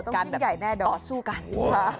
ต้องกินใหญ่แน่เดี๋ยว